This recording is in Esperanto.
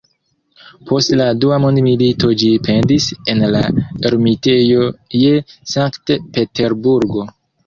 Post la Dua Mondmilito ĝi pendis en la Ermitejo je Sankt-Peterburgo.